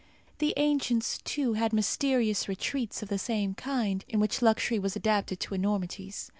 The ancients, too, had mysterious retreats of the same kind, in which luxury was adapted to enormities.